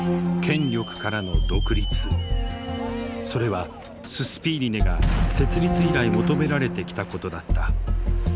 権力からの独立それはススピーリネが設立以来求められてきたことだった。